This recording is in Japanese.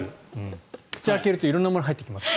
口開けると色んなものが入ってきます。